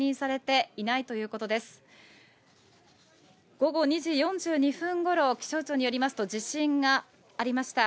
午後２時４２分ごろ、気象庁によりますと地震がありました。